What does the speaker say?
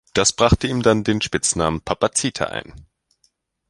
Das brachte ihm dann den Spitznamen „Papa Zita“ ein.